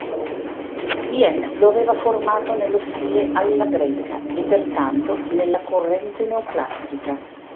Vien lo aveva formato nello stile "alla greca" e pertanto nella corrente neoclassica.